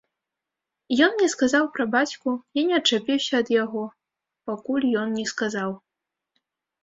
Ён мне сказаў пра бацьку, я не адчапіўся ад яго, пакуль ён не сказаў.